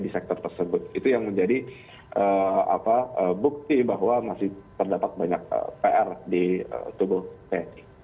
dan itu juga bisa menjadi bukti bahwa masih terdapat banyak pr di tubuh tni